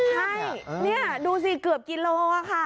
ใช่นี่ดูสิเกือบกิโลค่ะ